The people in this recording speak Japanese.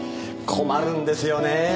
困るんですよね